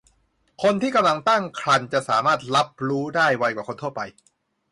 คนที่กำลังตั้งครรภ์จะสามารถรับรู้ได้ไวกว่าคนทั่วไป